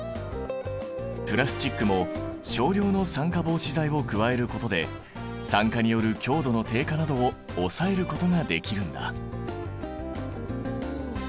プラスチックも少量の酸化防止剤を加えることで酸化による強度の低下などを抑えることができるんだ。